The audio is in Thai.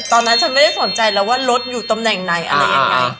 ตอนนั้นฉันไม่ได้สนใจแล้วว่ารถอยู่ตำแหน่งไหนอะไรยังไง